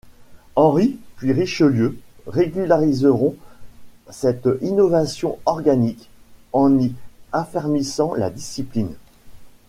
Henri, puis Richelieu, régulariseront cette innovation organique, en y affermissant la discipline.